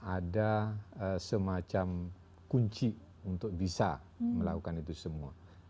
ada semacam kunci untuk bisa melakukan itu semua